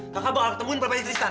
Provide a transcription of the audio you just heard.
kakak bakal ketemuin papanya tristan